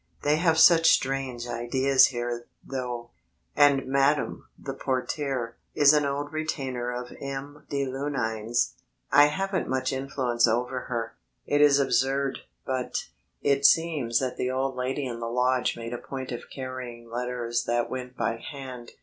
They have such strange ideas here, though. And Madame the portière is an old retainer of M. de Luynes, I haven't much influence over her. It is absurd, but...." It seems that the old lady in the lodge made a point of carrying letters that went by hand.